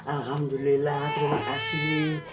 alhamdulillah terima kasih